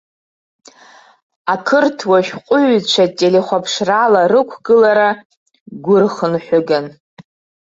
Ақырҭуа шәҟәыҩҩцәа телехәаԥшрала рықәгылара гәырхынҳәыган.